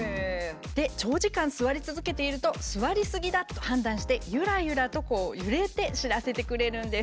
で長時間座り続けていると「座りすぎだ」と判断してゆらゆらと揺れて知らせてくれるんです。